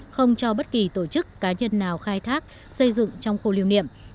không cho bất kỳ tổ chức cá nhân nào khai thác xây dựng trong khu lưu niệm